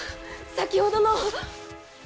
先ほどの！